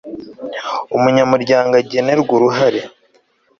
umunyamuryango agenerwe uruhare